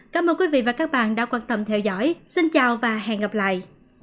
cảm ơn quý vị và các bạn đã quan tâm theo dõi xin chào và hẹn gặp lại